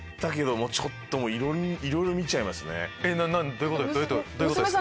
どういうことですか？